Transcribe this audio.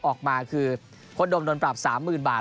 ออกมาคือโค้ดโดมโดนปรับสามหมื่นบาท